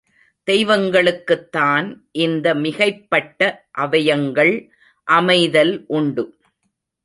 தெய்வங்களுக்குத்தான் இந்த மிகைப்பட்ட அவயங்கள் அமைதல் உண்டு.